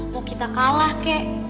mau kita kalah kak